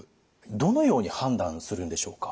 どのように判断するんでしょうか？